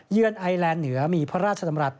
เยือนไอแลนด์เหนือมีพระราชดำรัฐ